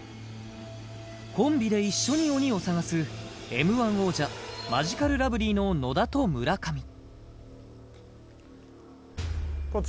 コンビで一緒に鬼を捜すＭ−１王者マヂカルラブリーの野田と村上こっち